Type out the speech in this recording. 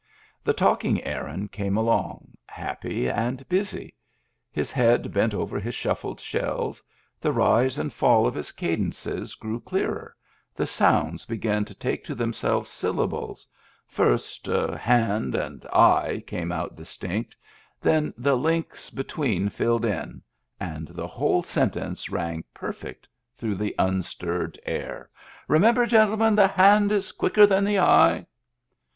The talking Aaron came along, happy and busy. His head bent over his shufiied shells ; the rise and fall of his cadences grew clearer, the sounds began to take to themselves syllables; first "hand" and "eye" came out distinct, then the links between filled in, and the whole sentence rang perfect through the unstirred air. Digitized by Google EXTRA DRY 225 "Remember, gentlemen, the hand is quicker than the eye."